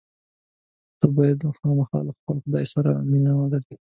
ته باید خامخا له خپل خدای سره مینه ولرې.